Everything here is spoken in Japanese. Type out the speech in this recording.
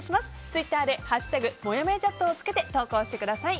ツイッターで「＃もやもやチャット」をつけて投稿してください。